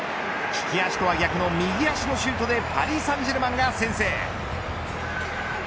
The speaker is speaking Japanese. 利き足とは逆の右足のシュートでパリ・サンジェルマンが先制。